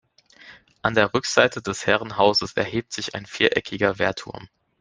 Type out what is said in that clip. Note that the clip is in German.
An der Rückseite des Herrenhauses erhebt sich ein viereckiger Wehrturm.